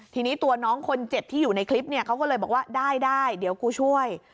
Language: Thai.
ทีนี้ตัวน้องคนเจ็บที่อยู่ในคลิปเนี่ยเขาก็เลยบอกว่าได้ได้เดี๋ยวกูช่วย